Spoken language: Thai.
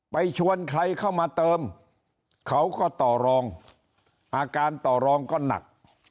ชวนใครเข้ามาเติมเขาก็ต่อรองอาการต่อรองก็หนัก